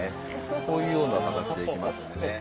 こういうような形で行きますんでね。